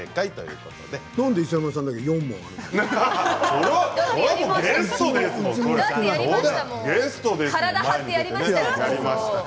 なんで磯山さんだけ４問あるんですか。